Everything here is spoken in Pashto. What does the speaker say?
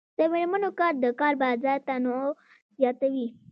د میرمنو کار د کار بازار تنوع زیاتوي.